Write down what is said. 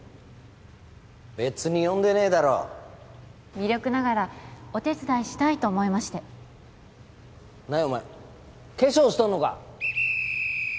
べつに呼んでねえだろ微力ながらお手伝いしたいと思いまして何やお前化粧しとんのか！？